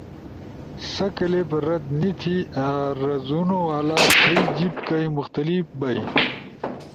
سسا کلپ رد نی تھی ایرازونو والا تھئی جیِب کئی مختلف بئی